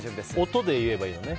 音で言えばいいのね。